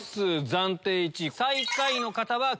暫定１位。